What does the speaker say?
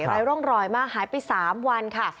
ไร้ร่องรอยมากหายไป๓วันค่ะ